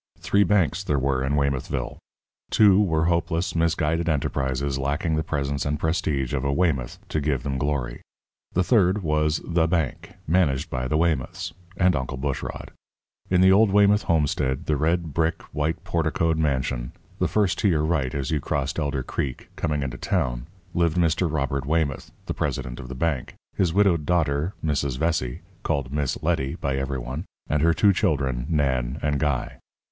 Three banks there were in Weymouthville. Two were hopeless, misguided enterprises, lacking the presence and prestige of a Weymouth to give them glory. The third was The Bank, managed by the Weymouths and Uncle Bushrod. In the old Weymouth homestead the red brick, white porticoed mansion, the first to your right as you crossed Elder Creek, coming into town lived Mr. Robert Weymouth (the president of the bank), his widowed daughter, Mrs. Vesey called "Miss Letty" by every one and her two children, Nan and Guy.